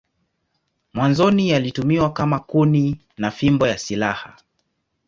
Mwanzoni ilitumiwa kama kuni na fimbo ya silaha.